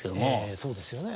そうですよね。